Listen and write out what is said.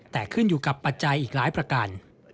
แต่ขึ้นอยู่กับปัจจัยอีกหลายประการ